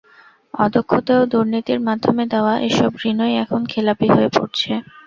অদক্ষতা ও দুর্নীতির মাধ্যমে দেওয়া এসব ঋণই এখন খেলাপি হয়ে পড়ছে।